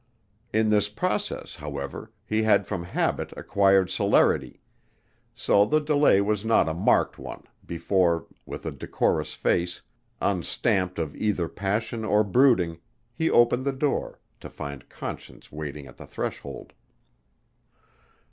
In this process, however, he had from habit acquired celerity, so the delay was not a marked one before, with a decorous face, unstamped of either passion or brooding, he opened the door, to find Conscience waiting at the threshold.